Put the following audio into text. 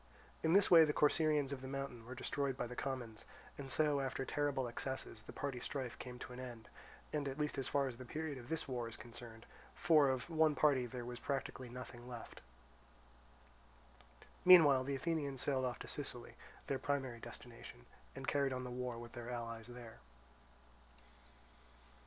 In this way the Corcyraeans of the mountain were destroyed by the commons; and so after terrible excesses the party strife came to an end, at least as far as the period of this war is concerned, for of one party there was practically nothing left. Meanwhile the Athenians sailed off to Sicily, their primary destination, and carried on the war with their allies there.